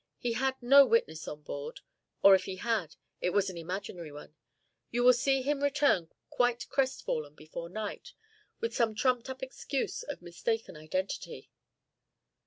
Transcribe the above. He had no witness on board, or, if he had, it was an imaginary one. You will see him return quite crestfallen before night, with some trumped up excuse of mistaken identity."